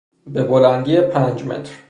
به بلندی پنج متر